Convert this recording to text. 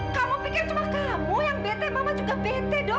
kamu pikir cuma kamu yang bete mama juga bete dok